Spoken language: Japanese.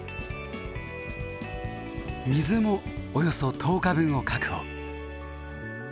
水もおよそ１０日分を確保。